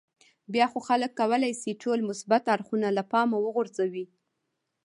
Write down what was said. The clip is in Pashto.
بیا خو خلک کولای شي ټول مثبت اړخونه له پامه وغورځوي.